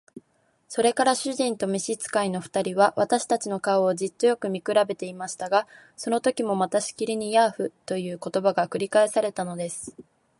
それから主人と召使の二人は、私たちの顔をじっとよく見くらべていましたが、そのときもまたしきりに「ヤーフ」という言葉が繰り返されたのです。